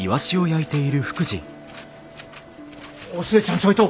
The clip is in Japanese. お寿恵ちゃんちょいと！